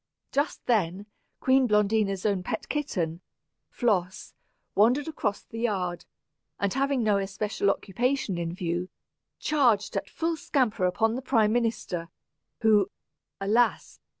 Just then, Queen Blondina's own pet kitten, Floss, wandered across the yard, and having no especial occupation in view, charged at full scamper upon the prime minister, who, alas!